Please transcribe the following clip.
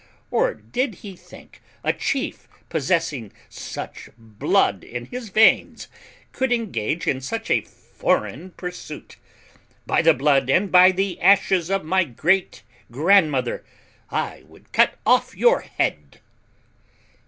Or did he think a chief possessing such blood in his veins could engage in such a foreign pursuit? By the blood and by the ashes of my great grandmother, I would cut off your head!"